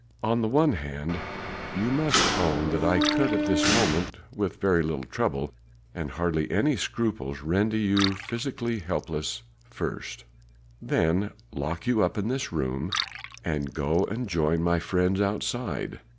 On the one hand you must own that I could at this moment with very little trouble and hardly any scruples render you physically helpless first, then lock you up in this room, and go and join my friends outside.